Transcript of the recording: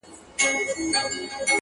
o باطل پرستو په مزاج ډېره تره خه یم کنې,